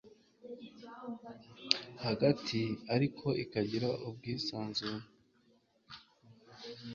hagati ariko ikagira ubwisanzure